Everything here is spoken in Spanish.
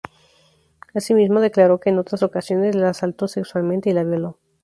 Asimismo, declaró que en otras ocasiones la asaltó sexualmente y la violó.